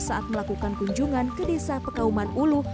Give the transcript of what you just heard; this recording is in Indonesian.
saat melakukan kunjungan ke desa pekauman ulu